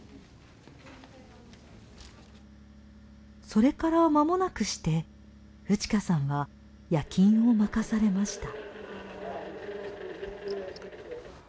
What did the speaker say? それからまもなくしてウチカさんは夜勤を任されました。